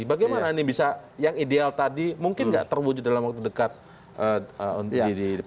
bagaimana ini bisa yang ideal tadi mungkin nggak terwujud dalam waktu dekat